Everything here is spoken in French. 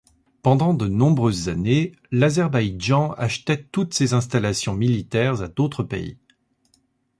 Pendant de nombreuses années l'Azerbaïdjan achetait toutes ses installations militaires à d'autres pays.